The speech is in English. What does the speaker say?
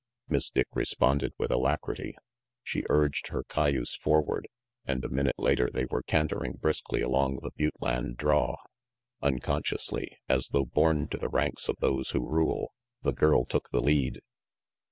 Miss Dick responded with alacrity. She urged her cayuse forward, and a minute later they were cantering briskly along the butte land draw. Uncon sciously, as though born to the ranks of those who rule, the girl took the lead.